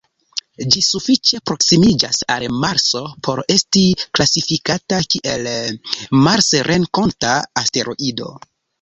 Ĝi sufiĉe proksimiĝas al Marso por esti klasifikata kiel marsrenkonta asteroido.